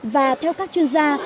và theo các chuyên gia